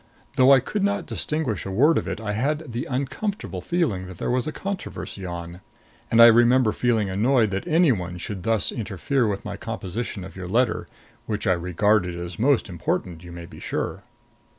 Though I could not distinguish a word of it, I had the uncomfortable feeling that there was a controversy on; and I remember feeling annoyed that any one should thus interfere with my composition of your letter, which I regarded as most important, you may be sure.